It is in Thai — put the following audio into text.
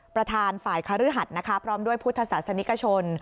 ประธานฝ่ายคฤหัสนะคะพร้อมด้วยพุทธศาสนิกชน